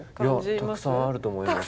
たくさんあると思います。